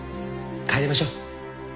帰りましょ。